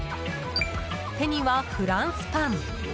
手にはフランスパン。